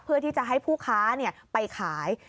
เพื่อที่จะให้ผู้ค้าไปขาย